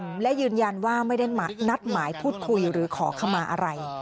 และยืนยันว่าไม่ได้นัดหมายพูดคุยหรือขอขมาอะไร